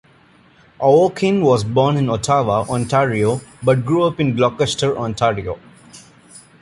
Aucoin was born in Ottawa, Ontario, but grew up in Gloucester, Ontario.